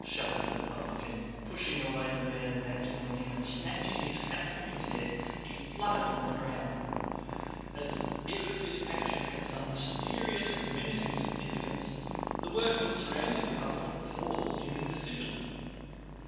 shouted the publican, pushing away the men advancing on him, and snatching his cap from his head he flung it on the ground. As if this action had some mysterious and menacing significance, the workmen surrounding the publican paused in indecision.